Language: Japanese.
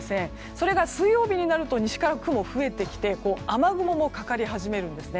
それが水曜日になると西から雲が増えてきて雨雲もかかり始めるんですね。